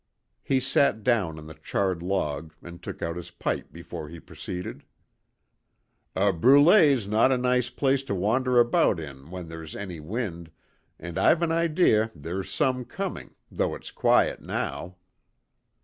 He sat down on the charred log and took out his pipe before he proceeded: "A brûlée's not a nice place to wander about in when there's any wind, and I've an idea there's some coming, though it's quiet now."